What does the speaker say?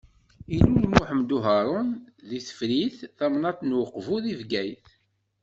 Ilul Muḥemmed Uharun deg Tefrit, tamnaḍt n Uqbu di Bgayet.